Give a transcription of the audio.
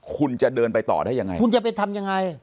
คุณจะเดินไปต่อได้ยังไงคุณจะไปทำยังไง